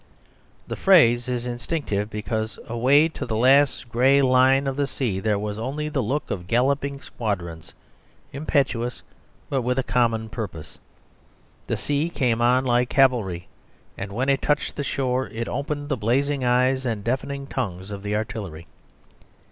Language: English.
The phrase is instinctive, because away to the last grey line of the sea there was only the look of galloping squadrons, impetuous, but with a common purpose. The sea came on like cavalry, and when it touched the shore it opened the blazing eyes and deafening tongues of the artillery.